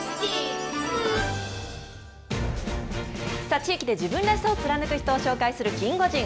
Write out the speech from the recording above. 地域で自分らしさを貫く人を紹介するキンゴジン。